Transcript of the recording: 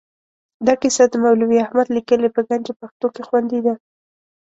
دا کیسه د مولوي احمد لیکلې په ګنج پښتو کې خوندي ده.